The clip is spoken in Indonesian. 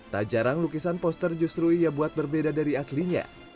tak jarang lukisan poster justru ia buat berbeda dari aslinya